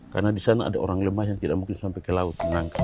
karena di sana ada orang lemah yang tidak mungkin sampai ke laut